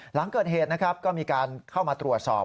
หลังเกิดเหตุนะครับก็มีการเข้ามาตรวจสอบ